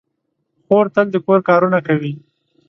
خور تل د کور کارونه کوي.